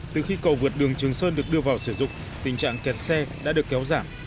từ khi cầu vượt đường trường sơn được đưa vào sử dụng tình trạng kẹt xe đã được kéo giảm